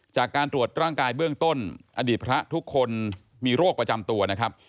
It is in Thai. จากการตรวจร่างกายเบื้องต้นอดีตพระทุกคนมีโรคประจำตัวนะครับ